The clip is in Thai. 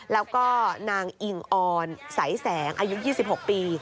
แล้วก็นางอิ่งออนสายแสงอายุ๒๖ปี